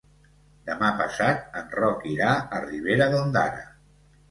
Demà passat en Roc irà a Ribera d'Ondara.